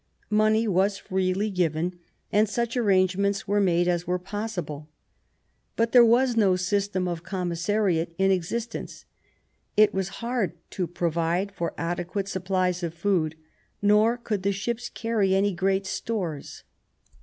Money was freely given, and such arrangements were made as were possible. But there was no system of commissariat in existence ; it was hard to provide for adequate supplies of food, nor could the ships carry any great stores.